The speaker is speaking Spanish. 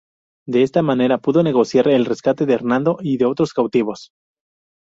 De esta manera, pudo negociar el rescate de Hernando y de otros cautivos.